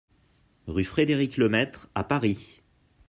Rue Frédérick Lemaître à Paris